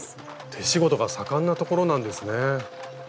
手仕事が盛んなところなんですね。